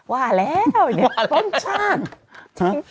ว่าแล้วต้นชาติว่าแล้ว